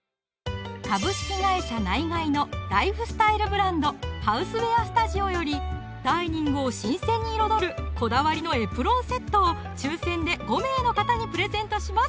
ナイガイのライフスタイルブランド「ＨＯＵＳＥＷＥＡＲＳＴＵＤＩＯ」よりダイニングを新鮮に彩るこだわりのエプロンセットを抽選で５名の方にプレゼントします